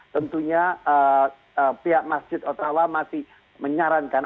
tentunya pihak masjid ottawa masih menyarankan